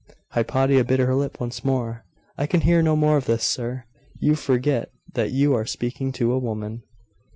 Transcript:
Hypatia bit her lip once more. 'I can hear no more of this, sir. You forget that you are speaking to a woman.